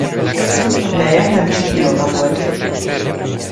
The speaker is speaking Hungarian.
Neje Nemcsik Ilona volt.